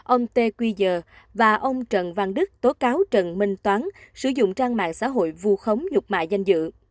ông tê quy giờ và ông trần văn đức tố cáo trần minh toán sử dụng trang mạng xã hội vu khống nhục mại danh dự